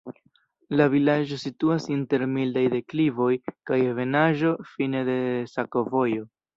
La vilaĝo situas inter mildaj deklivoj kaj ebenaĵo, fine de sakovojo.